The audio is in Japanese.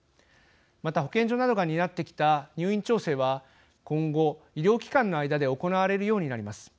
また保健所などが担ってきた入院調整は今後医療機関の間で行われるようになります。